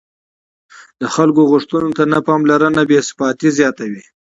د خلکو غوښتنو ته نه پاملرنه بې ثباتي زیاتوي